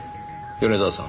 米沢さん。